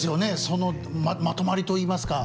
そのまとまりといいますか。